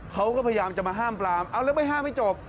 เขาก็พยายามจะมาห้ามปลามเอาแล้วไม่ห้ามให้จบ